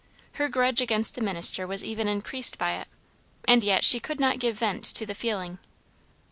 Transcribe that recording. Her grudge against the minister was even increased by it, and yet she could not give vent to the feeling.